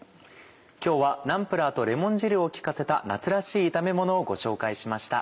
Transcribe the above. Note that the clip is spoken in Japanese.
今日はナンプラーとレモン汁を利かせた夏らしい炒めものをご紹介しました。